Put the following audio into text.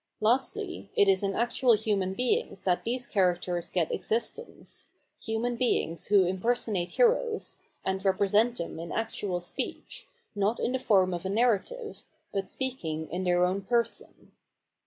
Lastly, it is in actual human beings that these characters get existence, human beings who impersonate heroes, and represent them in actual speech, not in the form of a narrative, but speaking in their own person.